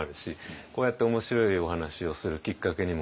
こうやって面白いお話をするきっかけにもなるし。